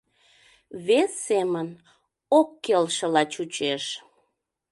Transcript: Вес семын, ок келшыла чучеш.